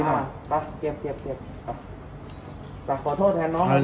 เก็บ